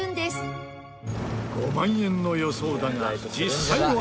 ５万円の予想だが実際は。